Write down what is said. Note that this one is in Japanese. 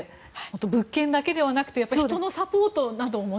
物件だけではなくて人のサポートなどもね。